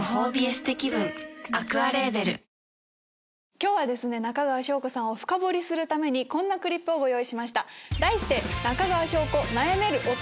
今日は中川翔子さんを深掘りするためにこんなクリップをご用意しました。